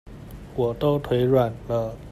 我都腿軟了